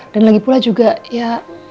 dan lagi pula juga ya